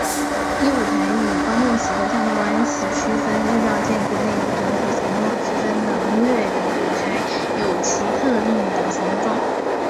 依舞台与观众席的相对关系区分依照建筑内部整体形状区分能乐的舞台有其特定的形状。